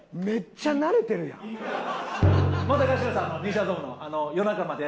めっちゃ慣れてるやん。